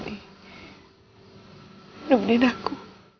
di dunia aku